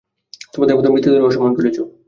তোমাদের মৃতদেরও অসম্মান করেছো।